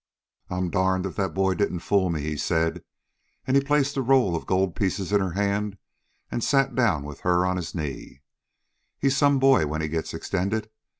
"I 'm darned if that boy didn't fool me," he said, as he placed the roll of gold pieces in her hand and sat down with her on his knees. "He's some boy when he gets extended.